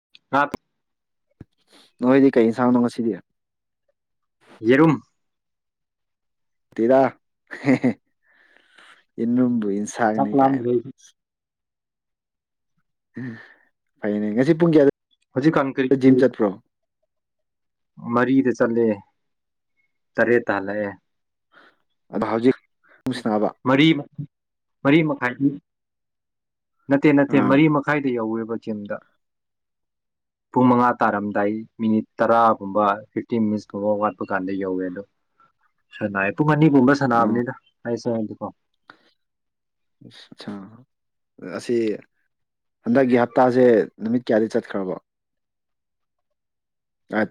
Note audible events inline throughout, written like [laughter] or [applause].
[unintelligible] ꯅꯣꯏꯗꯤ ꯀꯩ ꯌꯦꯟꯁꯥꯡꯅꯣ ꯉꯁꯤꯗꯤ ꯌꯦꯔꯨꯝ ꯇꯤꯗꯥꯥ ꯏꯟꯅꯨꯝ ꯆꯥꯛ ꯁꯥꯒꯅꯤ ꯀꯥꯏꯅ ꯂꯥꯝꯗ꯭ꯔꯦ ꯐꯩꯅꯦ ꯉꯁꯤ ꯄꯨꯨꯡ ꯀꯌꯥꯗ ꯍꯧꯖꯤꯛ ꯀꯥꯟ ꯀꯔꯤ ꯀꯔꯤ ꯖꯤꯝ ꯆꯠꯄ꯭ꯔꯣ ꯃꯔꯤꯗ ꯆꯠꯂꯦ ꯇꯔꯦꯠꯇ ꯍꯜꯂꯛꯑꯦ ꯑꯗ ꯍꯥꯎꯖꯤ ꯃꯔꯤ ꯃꯔꯤ ꯃꯈꯥꯏꯒꯤ ꯅꯠꯇꯦ ꯅꯠꯇꯦ ꯑꯥ ꯃꯔꯤ ꯃꯈꯥꯏꯗ ꯌꯧꯋꯦꯕ ꯗ ꯄꯨꯡ ꯃꯉꯥ ꯇꯥꯔꯝꯗꯥꯏ ꯃꯤꯅꯤꯠ ꯇꯔꯥꯒꯨꯝꯕ ꯐꯤꯞꯇꯤꯟ ꯃꯤꯅꯤꯁꯀꯨꯝꯕ ꯋꯥꯠꯄ ꯀꯥꯟꯗ ꯌꯧꯋꯦ ꯑꯗꯣ ꯁꯦꯅꯥꯏ ꯄꯨꯡ ꯑꯅꯤꯒꯨꯝꯕ ꯁꯥꯟꯅꯕꯅꯤꯅ [unintelligible] ꯑꯁ ꯑꯁꯥ ꯁꯥ ꯑꯁꯤ ꯍꯟꯗꯛꯀꯤ ꯍꯞꯇꯥꯁꯦ ꯅꯨꯃꯤꯠ ꯀꯌꯥꯗꯤ ꯆꯠꯈ꯭ꯔꯕꫭ ꯑꯠ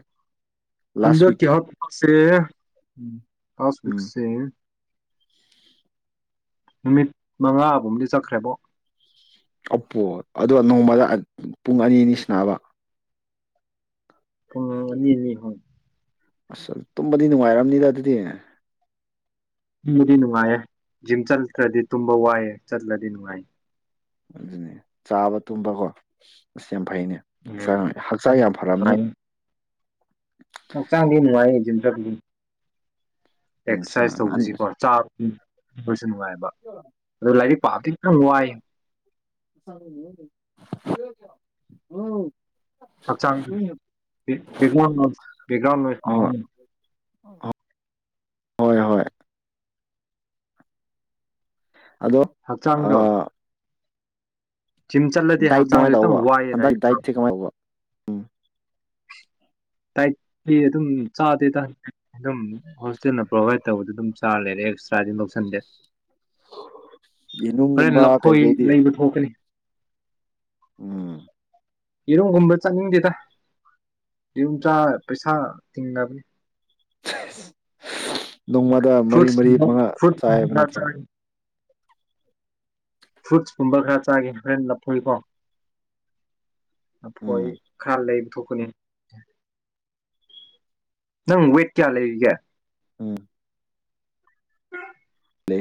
ꯑꯟꯗ꯭ꯔꯀꯤ ꯗꯤꯔꯁꯠ ꯋꯤꯛꯁꯦ ꯗꯔꯤꯁ ꯎꯝ ꯋꯤꯀꯁ ꯅꯨꯃꯤꯠ ꯃꯉꯥꯕꯨꯝꯕꯗꯤ ꯆꯠꯈ꯭ꯔꯦꯕꯣ ꯑꯞꯄꯣ ꯑꯗꯣ ꯅꯣꯡꯃꯗ ꯄꯨꯡ ꯑꯅꯤ ꯑꯅꯤꯁꯤꯅꯥꯕ ꯄꯨꯪ ꯑꯅꯤ ꯑꯅꯤ ꯑꯍꯨꯝ ꯑꯁ ꯇꯨꯝꯕꯗꯤ ꯅꯨꯡꯉꯥꯏꯔꯝꯅꯤꯗ ꯑꯗꯨꯗꯤ ꯇꯨꯝꯕꯗꯤ ꯅꯨꯡꯉꯥꯏꯌꯦ ꯖꯤꯝ ꯆꯠꯇꯈꯥꯔꯗꯤ ꯇꯨꯝꯕ ꯋꯥꯏꯑꯦ ꯆꯠꯂꯗꯤ ꯅꯨꯡꯉꯥꯏ ꯑꯗꯨꯅꯦ ꯆꯥꯕ ꯇꯨꯝꯗꯕ ꯑꯗꯨꯅꯤ꫰ ꯐꯩꯅꯦ ꯎꯝ ꯍꯛꯆꯥꯡ ꯍꯛꯆꯥꯡ ꯌꯥꯝ ꯐꯔꯝꯅꯤ ꯅꯨꯡꯉꯥꯏ ꯆꯇꯂꯤ ꯎꯝ ꯑꯦꯛꯁꯔꯁꯥꯏꯖ ꯁꯤ ꯆꯥꯛ ꯎꯝ ꯍꯣꯏ ꯅꯨꯡꯉꯥꯏꯕ ꯑꯗꯣ ꯂꯥꯏꯔꯤꯛ ꯄꯥꯕꯗꯤ ꯈꯤꯇꯪ ꯋꯥꯏ ꯎꯝ ꯆꯒ꯭ꯔꯥ ꯎꯝ ꯎꯝ ꯕꯦꯛ ꯒ꯭ꯔꯥꯎ ꯟꯣꯏ ꯍꯣꯏ ꯍꯣꯏ ꯍꯣꯏ ꯑꯗꯣ ꯁꯨꯝ ꯆꯠꯂꯗꯤ ꯗꯥꯏꯠꯇꯤ ꯍꯛꯆꯥꯡꯗꯣ ꯀꯃꯥꯏꯅ ꯈꯤꯇꯪ ꯋꯥꯏꯑꯅ ꯏꯇꯥꯑꯣ ꯑꯝ ꯇꯤ ꯑꯗꯨꯝ ꯆꯥꯦ ꯑꯗꯨꯝ ꯍꯣꯁꯇꯦꯜꯅ ꯄ꯭ꯔꯣꯚꯥꯏꯠ ꯇꯧꯕꯗ ꯑꯗꯨꯝ ꯆꯥꯔ ꯂꯩꯔꯦꯁ ꯀꯗꯤ ꯂꯧꯁꯟꯗꯦ ꯍꯣꯔꯦꯟ ꯌꯦꯅꯨꯡꯒꯨꯝꯕ ꯂꯐꯣꯏ ꯀꯩꯀꯩꯗꯤ ꯂꯩꯕ ꯊꯣꯛꯀꯅꯤ ꯎꯝ ꯌꯦꯔꯨꯝꯒꯨꯝꯕ ꯆꯠꯅꯤꯡꯗꯦꯗ ꯌꯦꯔꯨꯝꯆꯥ ꯄꯩꯁꯥ ꯇꯤꯡꯉꯅꯕꯅꯤ [inaudible] ꯅꯣꯡꯃꯗ ꯃꯔꯤ ꯐ꯭ꯔꯨꯠꯁ ꯃꯔꯤ ꯃꯉꯥ ꯐ꯭ꯔꯨꯠ ꯆꯥꯏ ꯍꯥꯏꯕ ꯈꯔ ꯅꯠꯇ꯭ꯔꯣ ꯆꯥꯒꯦ ꯐ꯭ꯔꯨꯠꯁ ꯀꯨꯝꯕ ꯈꯔ ꯆꯥꯒꯦ ꯍꯣꯔꯦꯟ ꯂꯞꯊꯣꯛꯏꯀꯣ ꯑꯩꯐꯣꯏ ꯎꯝ ꯈꯔ ꯂꯩꯕ ꯊꯣꯛ ꯀꯏ ꯅꯪ ꯋꯦꯠ ꯀꯌꯥ ꯂꯩꯔꯤꯒꯦ ꯎꯝ [inaudible] ꯂꯦ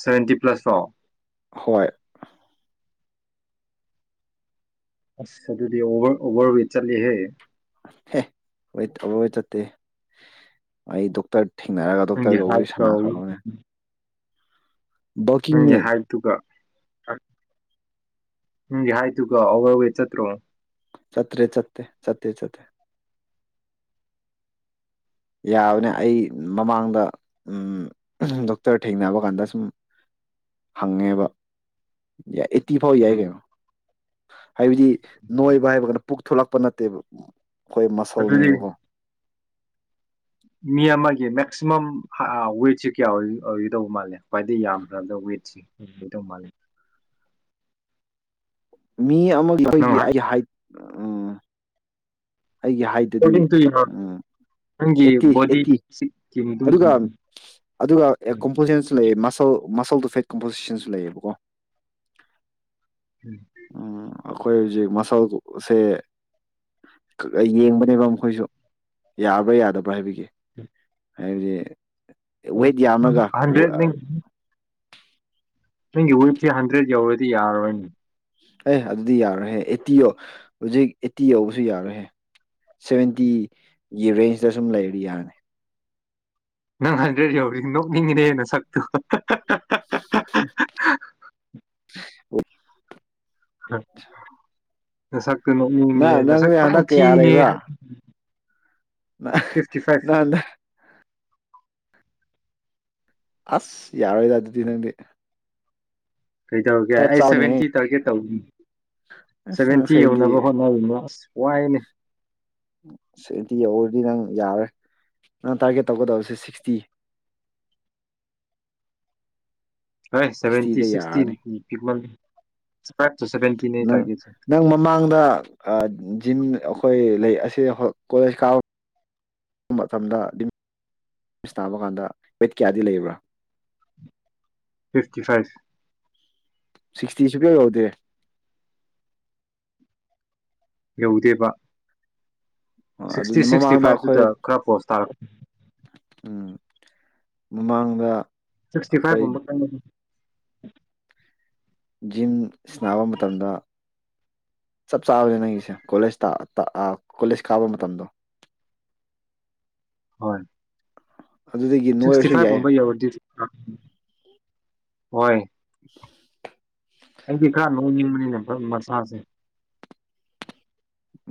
ꯁꯚꯦꯟꯇꯤ ꯄ꯭ꯂꯁ ꯐ꯭ꯔꯣ ꯍꯣꯏ ꯑꯁ ꯑꯗꯨꯗꯤ ꯑꯣꯚꯔ ꯑꯣꯚꯔꯋꯦꯠ ꯆꯦꯍꯦ ꯑꯦ ꯍꯣꯏꯣꯏ ꯍꯣꯏ ꯆꯠꯇꯦ ꯑꯩ ꯗꯣꯛꯇꯔ ꯊꯦꯡꯅꯔꯒ ꯅꯪꯒꯤ ꯗꯣꯛꯇꯔꯒ ꯋꯥꯔꯤ ꯍꯥꯏꯠꯀ ꯁꯥꯟꯅꯈ꯭ꯔꯕꯣꯏꯅꯦ ꯅꯪꯁꯦ ꯍꯥꯏꯗꯨꯒ ꯍꯁ ꯎꯝ ꯍꯥꯏ ꯇꯨꯒ ꯑꯣꯋꯥꯔ ꯑꯣꯏꯦꯆꯠ꯭ꯔꯣ ꯆꯠꯇ꯭ꯔꯦ ꯆꯠꯇꯦ ꯆꯠꯇꯦ ꯆꯠꯇꯦ ꯌꯥꯕꯅꯦ ꯑꯩ ꯃꯃꯥꯡꯗ ꯗꯣꯛꯇꯔ ꯊꯦꯡꯅꯕ ꯀꯥꯟꯗ ꯁꯨꯝ ꯍꯪꯉꯦꯕ ꯌꯥ ꯏꯤꯐꯥ ꯍ ꯎꯝ ꯌꯥꯏꯒꯦꯣ ꯍꯥꯏꯕꯗꯤ ꯅꯣꯏꯕ ꯍꯥꯏꯕꯒꯅ ꯄꯨꯛ ꯊꯂꯛꯄ ꯅꯠꯇꯦꯕ ꯑꯩꯈꯣꯏ ꯑꯗꯨꯗꯤ ꯃꯁꯜꯅꯦꯕꯀꯣ ꯃꯤ ꯑꯃꯒꯤ ꯃꯦꯛꯁꯤꯃꯝ ꯋꯦꯠꯁꯤꯦ ꯀꯌꯥ ꯑꯣꯏ ꯑꯣꯏꯒꯣꯏꯗꯧꯕ ꯃꯥꯜꯂꯦ ꯈ꯭ꯋꯥꯏꯗꯗꯒꯤ ꯌꯥꯝꯈ꯭ꯔꯕꯗ ꯋꯦꯠꯁꯦ ꯑꯣꯏꯗꯧꯕ ꯃꯥꯜꯂꯦ ꯃꯤ ꯑꯃꯒꯤ ꯅꯪ ꯑꯩꯈꯣꯏꯒꯤ ꯑꯩ ꯎꯝ ꯑꯩꯒꯤ ꯍꯥꯏꯗꯗꯤ ꯑꯦꯀꯣꯔꯗꯤꯡ ꯇꯨ ꯌꯣꯔ ꯅꯪꯒꯤ ꯑꯦꯠꯇꯤ ꯕꯣꯗꯤ ꯑꯦꯠꯇꯤ ꯁꯤꯛꯀꯤ ꯃꯇꯨꯡ ꯑꯗꯨꯒ ꯑꯗꯨꯒ ꯀꯝꯄꯣꯖꯤꯁꯟꯁꯨ ꯂꯩ ꯃꯁꯜ ꯃꯁꯜꯗꯨꯣ ꯐꯦꯠ ꯀꯝꯄꯣꯖꯤꯁꯟꯁꯨ ꯂꯩꯌꯦꯕꯀꯣ ꯎꯝ ꯑꯩꯈꯣꯏ ꯍꯧꯖꯤꯛ ꯃꯁꯥꯎꯁꯦ ꯌꯦꯡꯕꯅꯦꯕ ꯃꯈꯣꯏꯁꯨ ꯌꯥꯕ꯭ꯔꯥ ꯌꯥꯗꯕ꯭ꯔꯥ ꯍꯥꯏꯕꯒꯤ ꯎꯝ ꯍꯥꯏꯕꯗꯤ ꯋꯦꯠ ꯌꯥꯝꯃꯒ ꯍꯟꯗ꯭ꯔꯦꯠ ꯅꯪ ꯅꯪꯒꯤ ꯋꯤꯠꯁꯦ ꯍꯟꯗ꯭ꯔꯦꯗ ꯌꯧꯔꯗꯤ ꯌꯥꯔꯔꯣꯏꯅꯦ ꯑꯦ ꯑꯗꯨꯗꯤ ꯌꯥꯔꯍꯦ ꯑꯦꯠꯇꯤ ꯌꯧ ꯍꯧꯖꯤꯛ ꯑꯦꯠꯇꯤ ꯌꯧꯕꯁꯨ ꯌꯥꯔꯣꯏꯍꯦ ꯁꯚꯦꯟꯇꯤꯒꯤ ꯔꯦꯟꯖꯇ ꯁꯨꯝ ꯂꯩꯔꯤ ꯌꯥꯔꯅꯤ ꯅꯪ ꯍꯥꯏꯟꯗ꯭ꯔꯗꯤ ꯌꯧꯎꯔꯤ ꯅꯣꯛꯅꯤꯡꯉꯤꯅꯦꯦꯅ ꯁꯛꯇꯨ ꯎ ꯑꯣ ꯎꯝ ꯉꯁꯛ ꯀꯩꯅꯣ ꯎꯅꯦ ꯅꯪ ꯅꯁꯛ ꯅꯪꯗꯤ ꯍꯟꯗꯛ ꯀꯌꯥ ꯄꯥꯡꯊꯤꯅꯦ ꯅꯗ ꯑꯁ ꯌꯥꯔꯣꯏꯗ ꯑꯗꯨꯗꯤ ꯅꯪꯗꯤ ꯀꯩ ꯇꯧꯔꯒꯦ ꯈꯔ ꯑꯩ ꯆꯥꯎꯅꯦꯍꯦ ꯁꯚꯦꯟꯇꯤ ꯇꯥꯔꯒꯦꯠ ꯇꯧ ꯑꯁ ꯅꯪ ꯁꯦꯚꯦꯟꯇꯤ ꯌꯧꯅꯕ ꯁꯚꯦꯟꯇꯤ ꯍꯣꯠꯅꯔꯤꯅꯣ ꯑꯁ ꯋꯥꯏꯅꯤ ꯁꯦꯟꯇꯤ ꯌꯧꯔꯗꯤ ꯅꯪ ꯌꯥꯔꯦ ꯅꯪ ꯇꯥꯔꯒꯦꯠ ꯇꯧꯒꯗꯕꯁꯦ ꯁꯤꯛꯁꯇꯤ ꯍꯣꯏ ꯁꯚꯦꯟꯇꯤ ꯁꯤꯛꯁꯇꯤꯗ ꯁꯤꯛꯁꯇꯤꯟ ꯌꯥꯔꯅꯤ ꯄꯤꯛ ꯅꯪ ꯅꯪ ꯃꯃꯥꯡꯗ ꯖꯤꯝ ꯑꯩꯈꯣꯏ ꯂꯩ ꯑꯁꯤ ꯀꯣꯂꯦꯖ ꯀꯥꯕ ꯃꯇꯝꯗ ꯇꯥꯕ ꯀꯥꯟꯗ ꯋꯦꯠ ꯀꯌꯥꯗꯤ ꯂꯩꯕ꯭ꯔꯥ ꯐꯤꯐꯇꯤ ꯐꯥꯏꯚ ꯁꯤꯛꯁꯇꯤ ꯁꯨꯡꯌꯧ ꯌꯨꯗꯦ ꯌꯧꯗꯦꯕ ꯁꯤꯛꯁꯇꯤ ꯑꯗꯨꯅ ꯁꯤꯛꯁꯇꯤ ꯃꯃꯥꯡꯗ ꯑꯩꯈꯣꯏ ꯐꯥꯏꯚꯇꯨꯗ ꯈꯔ ꯄꯣꯁ ꯇꯥ ꯎꯝ ꯃꯃꯥꯡꯗ ꯁꯤꯛꯁꯇꯤ ꯑꯩꯈꯣꯏ ꯐꯥꯏꯚꯒꯨꯝꯕ [unintelligible] [unintelligible] ꯖꯤꯝ ꯁꯤꯟꯅꯕ ꯃꯇꯝꯗ ꯆꯞ ꯆꯥꯕꯅꯦ ꯅꯪꯒꯤꯁꯦ ꯀꯣꯂꯦꯖ ꯀꯣꯂꯦꯖ ꯀꯥꯕ ꯃꯇꯝꯗꯣ ꯍꯣꯏ ꯑꯗꯨꯗꯒꯤ ꯁꯤꯛꯁꯇꯤ ꯅꯣꯏꯔꯁꯨ ꯌꯥꯏ ꯐꯥꯏꯚꯀꯨꯝꯕ ꯌꯧꯔꯗꯤ ꯍꯣꯏ [unintelligible] ꯑꯩꯗꯤ ꯈꯔ ꯅꯣꯏꯅꯤꯡꯕꯅꯤꯅꯦ ꯈꯔ ꯃꯁꯥꯥꯁꯦ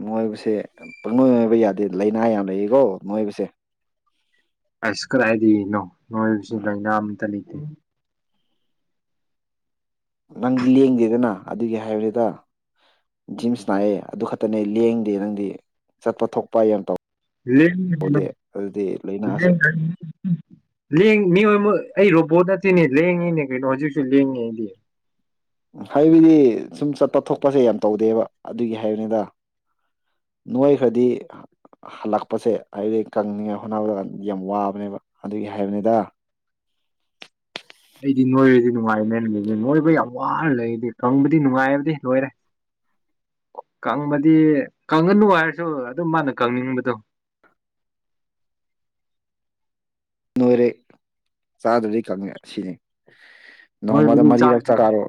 ꯅꯣꯏꯕꯁꯦ ꯄꯪꯅꯣꯏꯅꯣꯏꯕ ꯌꯥꯗꯦ ꯂꯩꯅꯥ ꯌꯥꯝ ꯂꯩꯔꯤꯀꯣ ꯅꯣꯏꯕꯁꯦ ꯑꯁ ꯀꯥꯏꯔꯥꯏꯗꯤꯅꯣ ꯅꯣꯏꯕꯁꯤ ꯂꯥꯏꯅꯥ ꯑꯃꯇ ꯂꯩꯇꯦ ꯅꯪꯗꯤ ꯂꯦꯡꯗꯦꯗꯅ ꯑꯗꯨꯒꯤ ꯍꯥꯏꯕꯅꯤꯗ ꯖꯤꯝ ꯁꯥꯅꯩꯌꯦ ꯑꯗꯨ ꯈꯛꯇꯅꯦ ꯂꯦꯡꯗꯦ ꯅꯪꯗꯤ ꯆꯠꯄ ꯊꯣꯛꯄ ꯌꯥꯝ ꯇꯧ [unintelligible] ꯂꯥꯏꯅꯥꯁꯦ [unintelligible] ꯃꯤ ꯑꯩ ꯔꯣꯕꯣꯠ ꯅꯠꯇꯦꯅꯦ ꯂꯦꯡꯉꯤꯅꯦ ꯀꯩꯅꯣ ꯍꯧꯖꯤꯛꯁꯨ ꯂꯦꯡꯉꯦ ꯑꯩꯗꯤ ꯍꯥꯏꯕꯗꯤ ꯁꯨꯝ ꯆꯠꯄ ꯊꯣꯛꯄꯁꯦ ꯌꯥꯝ ꯇꯧꯗꯦꯕ ꯑꯗꯨꯒꯤ ꯍꯥꯏꯕꯅꯤꯗ ꯅꯣꯏ ꯈꯔꯗꯤ ꯍꯜꯂꯛꯄꯁꯦ ꯍꯥꯏꯕꯗꯤ ꯀꯪꯅꯤꯡꯉꯥꯏ ꯍꯣꯠꯅꯕꯗ ꯌꯥꯝ ꯋꯥꯕꯅꯦꯕ ꯑꯗꯨꯒꯤ ꯍꯥꯏꯕꯅꯤꯗ ꯑꯩꯗꯤ ꯅꯣꯏꯔꯗꯤ ꯅꯨꯡꯉꯥꯏꯅꯦ [unintelligible] ꯅꯣꯏꯕ ꯌꯥꯝ ꯋꯥꯅ ꯂꯩꯗꯤ ꯀꯪꯕꯗꯤ ꯅꯨꯡꯉꯥꯏꯕꯗꯤ ꯂꯣꯏꯔꯦ ꯀꯪꯕꯗꯤ ꯀꯪꯉꯅꯨ ꯍꯥꯏꯔꯁꯨ ꯑꯗꯨꯝ ꯃꯥꯅ ꯀꯪꯅꯤꯡꯕꯗꯣ ꯅꯣꯏꯔꯦ ꯆꯥꯗ꯭ꯔꯕꯗꯤ ꯀꯪꯉꯦ ꯁꯤꯅꯤ ꯅꯣꯡꯃꯗ ꯅꯣꯏꯕꯨꯗꯤ ꯃꯔꯤꯔꯛ ꯆꯔꯣ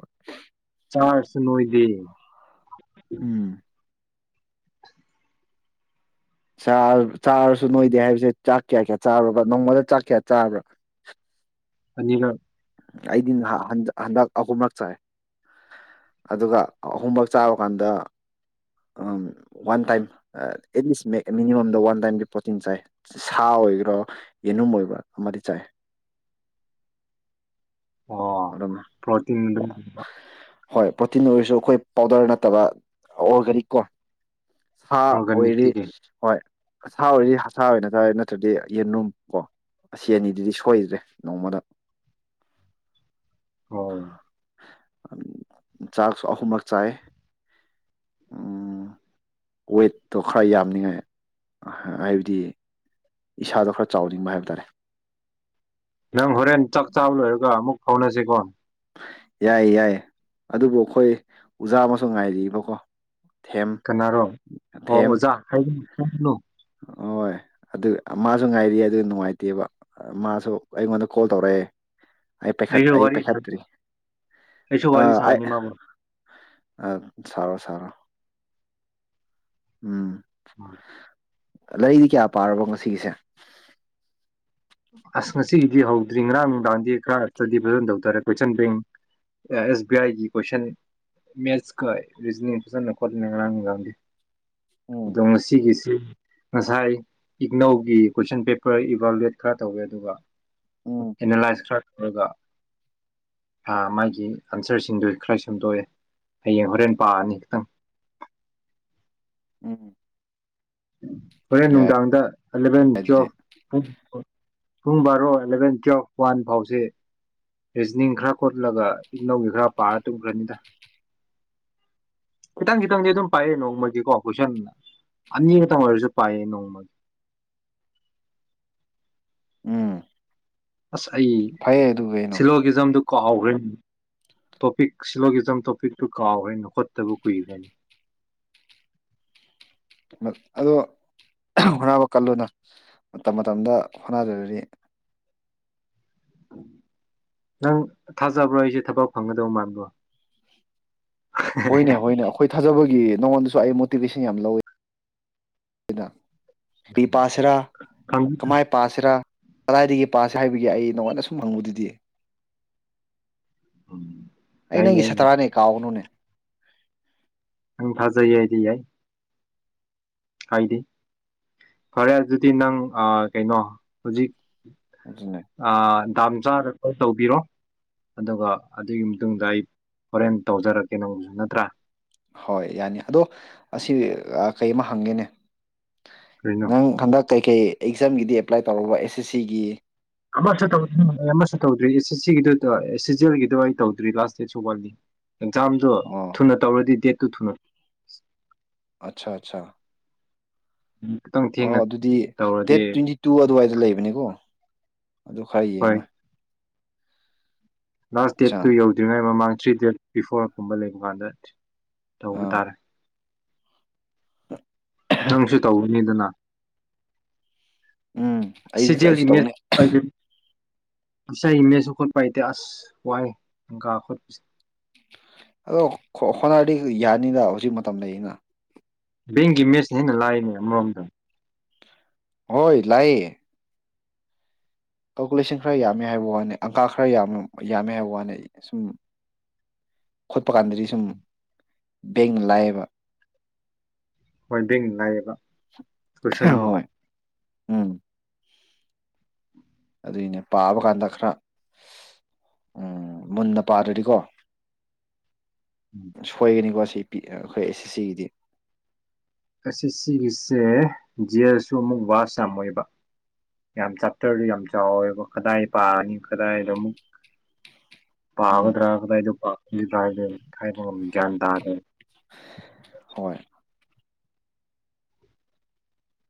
ꯅꯣꯏꯗꯤ ꯎꯝ ꯆꯥꯔꯁꯨ ꯅꯣꯏꯗꯦ ꯍꯥꯏꯕꯁꯦ ꯆꯥꯛ ꯀꯌꯥ ꯀꯌꯥ ꯆꯥꯔꯕ ꯅꯣꯡꯃꯗ ꯆꯥꯛ ꯀꯌꯥ ꯆꯥꯕ꯭ꯔꯥ ꯑꯅꯤꯔꯛ ꯑꯩꯗꯤ ꯍꯟꯗꯛ ꯑꯍꯨꯝꯔꯛ ꯆꯥꯏ ꯑꯗꯨꯒ ꯑꯍꯨꯝꯔꯛ ꯆꯥꯕ ꯀꯥꯟꯗ ꯋꯥꯟ ꯇꯥꯏꯝ ꯑꯦꯠꯂꯤꯁ ꯃꯤꯅꯤꯃꯝꯗ ꯋꯥꯟ ꯇꯥꯏꯝꯒꯤ ꯄ꯭ꯔꯣꯇꯤꯟ ꯆꯥꯏ ꯁꯥ ꯑꯣꯏꯕ꯭ꯔꯥ ꯌꯦꯅꯨꯝ ꯑꯣꯏꯕ꯭ꯔꯥ ꯑꯃꯗꯤ ꯆꯥꯏ ꯑꯣ ꯑꯗꯨꯝ ꯄ꯭ꯔꯣꯇꯤꯟ ꯍꯣꯏ ꯄ꯭ꯔꯣꯇꯤꯟ ꯑꯣꯏꯔꯁꯨ ꯑꯈꯣꯏ ꯄꯥꯎꯗꯔ ꯅꯠꯇꯕ ꯑꯣꯔꯒꯥꯅꯤꯛ ꯀꯣ ꯁꯥ ꯑꯣꯏꯔꯤ ꯑꯣꯔꯒꯥꯅꯤꯛꯇꯤ ꯀꯩ ꯍꯣꯏ ꯑꯁꯥ ꯑꯣꯏꯔꯗꯤ ꯑꯁꯥ ꯑꯣꯏꯅ ꯆꯥꯏ ꯅꯠꯇ꯭ꯔꯗꯤ ꯌꯦꯅꯝ ꯀꯣ ꯑꯁꯤ ꯑꯅꯤꯗꯨꯗꯤ ꯁꯣꯏꯗ꯭ꯔꯦ ꯅꯣꯡꯃꯗ ꯍꯣ ꯆꯥꯛꯁꯨ ꯑꯍꯨꯝꯂꯛ ꯆꯥꯏ ꯋꯦꯠꯇꯣ ꯈꯔ ꯌꯥꯝꯅꯤꯡꯉꯥꯏ ꯍꯥꯏꯕꯗꯤ ꯏꯁꯥꯗꯣ ꯈꯔ ꯆꯥꯎꯅꯤꯡꯕ ꯍꯥꯏꯕ ꯇꯥꯔꯦ ꯅꯪ ꯍꯣꯔꯦꯟ ꯆꯥꯛ ꯆꯥꯕ ꯂꯣꯏꯔꯒ ꯑꯃꯨꯛ ꯍꯧꯅꯁꯤ ꯀꯣ ꯌꯥꯏ ꯌꯥꯏ ꯑꯗꯨꯕꯨ ꯑꯈꯣꯏ ꯑꯣꯖꯥ ꯑꯃꯁꯨ ꯉꯥꯏꯔꯤꯕꯀꯣ ꯊꯦꯝ ꯀꯅꯥꯔꯣ ꯑꯣ ꯊꯦꯝ ꯑꯣꯖꯥ ꯍꯥꯏ [unintelligible] ꯅꯣ ꯍꯣꯏ ꯑꯗꯨ ꯃꯥꯁꯨ ꯉꯥꯏꯔꯤ ꯑꯗꯨ ꯅꯨꯡꯉꯥꯏꯇꯦꯕ ꯃꯥꯁꯨ ꯑꯩꯉꯣꯟꯗ ꯀꯣꯜ ꯇꯧꯔꯛꯑꯦ ꯑꯩ ꯄꯥꯏꯈꯠ ꯑꯩꯁꯨ ꯑꯩ ꯋꯥꯔꯤ ꯁꯥ ꯄꯥꯏꯈꯠꯇ꯭ꯔꯤ ꯑꯩꯁꯨ ꯋꯥꯔꯤ ꯁꯥꯅꯤ ꯃꯃꯣ ꯑ ꯁꯔꯣ ꯁꯔꯣ ꯎꯝ ꯎꯝ ꯂꯥꯏꯔꯤꯛꯗꯤ ꯀꯌꯥ ꯄꯥꯔꯕꯣ ꯉꯁꯤꯒꯤꯁꯦ ꯑꯁ ꯉꯁꯤꯒꯤꯗꯤ ꯍꯧꯗ꯭ꯔꯤ ꯉꯔꯥꯡ ꯅꯨꯡꯗꯥꯜꯗꯤ ꯈꯔ ꯍꯛꯇꯗꯤ ꯐꯖꯅ ꯇꯧ ꯇꯔꯦ ꯀꯣꯏꯁꯟ ꯕꯦꯡ ꯑꯦꯁ ꯕꯤ ꯑꯥꯏꯒꯤ ꯀꯣꯏꯁꯟ ꯃꯦꯠꯁꯀ ꯔꯤꯖꯅꯤꯡ ꯐꯖꯅ ꯈꯣꯠꯂꯦ ꯉꯔꯥꯡ ꯅꯨꯡꯗꯥꯜꯗꯤ ꯎꯝ ꯗꯉꯁꯤꯒꯤꯁꯤ ꯉꯁꯥꯏ ꯏꯛꯅꯧꯒꯤ ꯀꯣꯏꯁꯟ ꯄꯦꯄꯔ ꯏꯕꯥꯜꯦꯠ ꯈꯔ ꯇꯧꯋꯦ ꯑꯗꯨꯒ ꯎꯝ ꯑꯦꯅꯥꯂꯥꯏꯁ ꯈꯔ ꯇꯧꯔꯒ ꯃꯥꯒꯤ ꯑꯟꯁꯔꯁꯤꯡꯗꯨ ꯈꯔ ꯁꯦꯝꯨꯝꯗꯣꯛꯑꯦ ꯍꯌꯦꯡ ꯍꯣꯔꯦꯟ ꯄꯥꯑꯅꯤ ꯈꯤꯇꯪ ꯎꯝ ꯍꯣꯔꯦꯟ ꯌꯥꯏ ꯅꯨꯡꯗꯥꯡꯗ ꯑꯦꯂꯚꯦꯟ ꯇꯨꯋꯦꯜꯐ ꯄꯨꯡ ꯄꯨꯡ ꯕꯥꯔꯣ ꯑꯦꯂꯚꯦꯟ ꯇꯨꯋꯦꯜꯐ ꯋꯥꯟ ꯐꯥꯎꯁꯦ ꯔꯤꯖꯅꯤꯡ ꯈꯔ ꯈꯣꯠꯂꯒ ꯏꯅꯧꯒꯤ ꯈꯔ ꯄꯥꯔ ꯇꯨꯝꯈ꯭ꯔꯅꯤꯗ ꯈꯤꯇꯪ ꯈꯤꯇꯪꯗꯤ ꯑꯗꯨꯝ ꯄꯥꯏꯌꯦ ꯅꯣꯡꯃꯒꯤꯀꯣ ꯀꯣꯏꯁꯟꯅ ꯑꯅꯤ ꯈꯛꯇꯪ ꯑꯣꯏꯔꯁꯨ ꯄꯥꯏꯌꯦ ꯅꯣꯡꯃꯒꯤ ꯎꯝ ꯑꯁ ꯑꯩ ꯐꯩꯌꯦ ꯑꯗꯨ ꯀꯩꯅꯣ ꯁꯤꯂꯣꯒꯤꯖꯝꯗꯨ ꯀꯥꯎꯈ꯭ꯔꯦ ꯇꯣꯄꯤꯛ ꯁꯤꯂꯣꯒꯤꯖꯝ ꯇꯣꯄꯤꯛꯇꯨ ꯀꯥꯎꯈ꯭ꯔꯦꯅ ꯈꯣꯠꯇꯕ ꯀꯨꯏꯈ꯭ꯔꯦꯅꯤ ꯑꯗꯣ ꯍꯣꯠꯅꯕ ꯀꯜꯂꯨꯅ ꯃꯇꯝ ꯃꯇꯝꯗ ꯍꯣꯠꯅꯖꯔꯗꯤ ꯅꯪ ꯊꯥꯖꯕ꯭ꯔꯣ ꯑꯩꯁꯦ ꯊꯕꯛ ꯐꯪꯒꯗꯧ ꯃꯥꯟꯕꯣ ꯍꯣꯏꯅꯦ ꯍꯣꯏꯅꯦ ꯑꯩꯈꯣꯏ ꯊꯥꯖꯕꯒꯤ ꯅꯉꯣꯟꯗꯁꯨ ꯑꯩ ꯃꯣꯇꯤꯚꯦꯁꯟ ꯌꯥꯝ ꯂꯧꯋꯤ ꯍꯥꯏꯩꯅ ꯄꯤ ꯄꯁꯤꯔꯥ ꯎꯝ ꯀꯃꯥꯏ ꯄꯁꯤꯔꯥ ꯀꯗꯥꯏꯗꯒꯤ ꯄꯥꯁꯦ ꯍꯥꯏꯕꯒꯦ ꯑꯩ ꯅꯉꯣꯟꯗ ꯁꯨꯝ ꯍꯪꯕꯗꯨꯗꯤ ꯑꯩ ꯌꯥꯏ ꯅꯪꯒꯤ ꯌꯥꯏ ꯌꯥꯏ ꯁꯥꯠꯇꯔꯥꯅꯦ ꯀꯥꯎꯒꯅꯨꯅꯦ ꯑꯪ ꯊꯥꯖꯩ ꯍꯥꯏꯗꯤ ꯌꯥꯏ ꯍꯥꯏꯗꯤ ꯐꯔꯦ ꯑꯗꯨꯗꯤ ꯅꯪ ꯀꯩꯅꯣ ꯍꯧꯖꯤꯛ ꯑꯗꯨꯅꯦ ꯑ ꯗꯝ ꯆꯞ ꯆꯥꯗ ꯀꯣꯜ ꯇꯧꯕꯤꯔꯣ ꯑꯗꯨꯒ ꯑꯗꯨꯒꯤ ꯃꯇꯨꯡꯗ ꯑꯩ ꯍꯣꯔꯦꯟ ꯇꯧꯖꯔꯛꯀꯦ ꯅꯪꯁꯨ ꯅꯠꯇ꯭ꯔꯥ ꯍꯣꯏ ꯌꯥꯅꯤ ꯑꯗꯣ ꯑꯁꯤ ꯀꯩꯃ ꯍꯪꯒꯦꯅꯦ ꯀꯔꯤꯅꯣ ꯅ ꯍꯟꯗ ꯀꯩ ꯀꯩ ꯑꯦꯛꯖꯥꯝꯒꯤꯗꯤ ꯑꯦꯄ꯭ꯂꯥꯏ ꯇꯧꯔꯨꯔꯕ ꯑꯦꯁ ꯑꯦꯁ ꯁꯤꯒꯤ ꯑꯃꯁꯨ ꯇꯧꯗ꯭ꯔꯤ ꯑꯃꯁꯨ ꯇꯧꯗ꯭ꯔꯤ ꯑꯦ ꯁꯤꯒꯤꯗ ꯁꯤꯖꯦꯜꯒꯤꯗꯣ ꯑꯩ ꯇꯧꯗ꯭ꯔꯤ ꯂꯥꯁ ꯗꯦꯠ ꯁꯨ ꯃꯥꯜꯂꯤ ꯑꯦꯛꯖꯥꯝꯗ ꯑꯣ ꯊꯨꯅ ꯇꯧꯔꯗꯤ ꯗꯦꯠ ꯇꯨ ꯊꯨꯅ ꯑꯆꯥ ꯑꯆꯥ ꯈꯤꯇꯪ ꯑꯣ ꯊꯦꯡꯅ ꯑꯗꯨꯗꯤ ꯗꯦꯠ ꯇꯧꯔꯗꯤ ꯇ꯭ꯋꯦꯟꯇꯤ ꯇꯨ ꯑꯗꯨꯋꯥꯏꯗ ꯂꯩꯕꯅꯦꯀꯣ ꯑꯗꯨ ꯈꯔ ꯍꯣꯏ ꯌꯦꯡꯉꯨ ꯂꯥꯁ ꯗꯦꯠꯇꯨ ꯌꯧꯗ꯭ꯔꯤꯉꯩ ꯃꯃꯥꯡ ꯊ꯭ꯔꯤ ꯗꯦꯠ ꯕꯤꯐꯣꯔꯒꯨꯝꯕ ꯂꯩꯕ ꯀꯥꯟꯗ ꯇꯧꯕ ꯑꯥ ꯇꯥꯔꯦ ꯅꯪꯁꯨ ꯇꯧꯒꯅꯤꯗꯅ ꯎꯝ ꯑꯩꯗꯤ [unintelligible] ꯇꯧꯅꯤ [unintelligible] ꯃꯦꯁꯨ ꯈꯣꯠꯄ ꯍꯥꯏꯇꯦ ꯑꯁ ꯋꯥꯏꯌꯦ ꯑꯪꯀ ꯈꯣꯠꯄꯁꯦ ꯑꯗꯣ ꯍꯣꯠꯅꯔꯗꯤ ꯌꯥꯅꯤꯗ ꯍꯧꯖꯤꯛ ꯃꯇꯝ ꯂꯩꯅ [unintelligible] ꯃꯦꯁꯅ ꯍꯦꯟꯅ ꯂꯥꯏꯅꯦ ꯑꯃꯔꯣꯡꯗ ꯍꯣꯏ ꯂꯥꯏꯌꯦ ꯀꯜꯀꯨꯂꯦꯁꯟ ꯈꯔ ꯌꯥꯝꯃꯦ ꯍꯥꯏꯕ ꯋꯥꯅꯤ ꯑꯪꯀꯥ ꯈꯔ ꯌꯥꯝ ꯌꯥꯝꯃꯦ ꯍꯥꯏꯕ ꯋꯥꯅꯤ ꯑꯩ ꯁꯨꯝ ꯈꯣꯠꯄ ꯀꯥꯟꯗꯗꯤ ꯁꯨꯝ ꯕꯦꯡꯅ ꯂꯥꯏꯌꯦꯕ ꯃꯣꯏꯕꯦꯡ ꯂꯥꯏꯌꯦꯕ ꯀꯣꯏꯁꯟꯗꯨ ꯍꯣꯏ ꯎꯝ ꯑꯗꯨꯏꯅꯦ ꯄꯥꯕ ꯀꯥꯟꯗ ꯈꯔ ꯎꯝ ꯃꯨꯟꯅ ꯄꯥꯗ꯭ꯔꯗꯤꯀꯣ ꯁꯣꯏꯒꯅꯤꯀꯣ ꯁꯤ ꯄꯤ ꯑꯩꯈꯣꯏ ꯑꯦꯁ ꯑꯦꯁ ꯁꯤꯒꯤꯗꯤ ꯑꯁꯤ ꯁꯤꯒꯤꯁꯦ ꯖꯦꯔꯁꯨ ꯑꯃꯨꯛ ꯕꯥꯁ ꯌꯥꯝ ꯑꯣꯏꯕ ꯌꯥꯝ ꯆꯥꯞꯇꯔꯗꯣ ꯌꯥꯝ ꯆꯥꯎꯋꯦꯕ ꯀꯗꯥꯏ ꯄꯥꯅꯤ ꯀꯗꯥꯏꯗ ꯑꯃꯨꯛ ꯎꯝ ꯄꯥꯒꯗ꯭ꯔꯥꯒꯗꯥꯏꯗ ꯄ [unintelligible] ꯒ꯭ꯌꯥꯟ ꯇꯥꯗꯦ ꯍꯣꯏ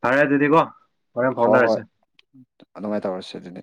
ꯐꯔꯦ ꯑꯗꯨꯤꯗꯤ ꯀꯣ ꯍꯣꯔꯦꯞ ꯍꯣꯏ ꯍꯣꯏ ꯐꯥꯎꯅꯔꯁꯦ ꯑꯗꯨꯃꯥꯏꯅ ꯇꯧꯔꯁꯦ ꯑꯗꯨꯗꯤ